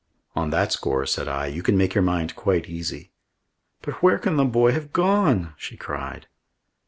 "On that score," said I, "you can make your mind quite easy." "But where can the boy have gone?" she cried.